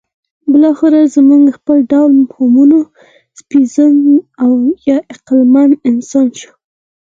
بالاخره زموږ خپل ډول هومو سیپینز یا عقلمن انسان شو.